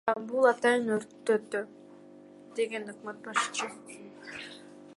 Бул атайын өрттөө, — деди өкмөт башчы.